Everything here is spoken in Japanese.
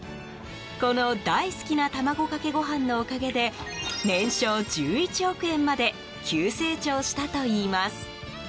この大好きな卵かけご飯のおかげで年商１１億円まで急成長したといいます。